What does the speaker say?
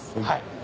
はい。